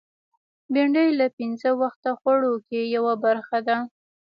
بېنډۍ له پینځه وخته خوړو کې یوه برخه ده